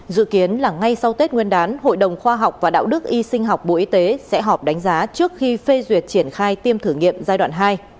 dự kiến là ngay sau tết nguyên đán hội đồng khoa học và đạo đức y sinh học bộ y tế sẽ họp đánh giá trước khi phê duyệt triển khai tiêm thử nghiệm giai đoạn hai